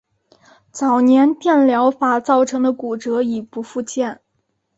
早年电疗法造成的骨折已不复见。